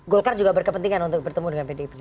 golkar juga berkepentingan untuk bertemu dengan pdip